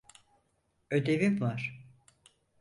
Ödevim var.